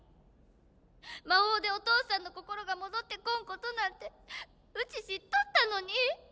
魔法でお父さんの心が戻ってこんことなんてうち知っとったのに！